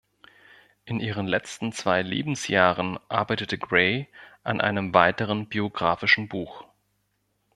In ihren letzten zwei Lebensjahren arbeitete Grey an einem weiteren biographischen Buch.